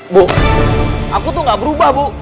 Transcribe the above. bu aku tuh gak berubah bu